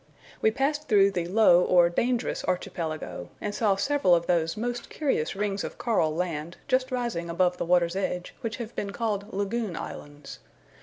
We passed through the Low or Dangerous Archipelago, and saw several of those most curious rings of coral land, just rising above the water's edge, which have been called Lagoon Islands.